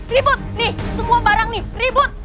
ribut nih semua barang nih ribut